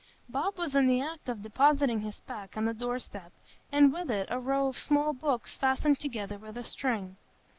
Bob was in the act of depositing his pack on the door step, and with it a row of small books fastened together with string.